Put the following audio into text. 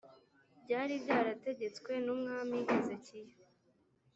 byari byarategetswe n’umwami hezekiya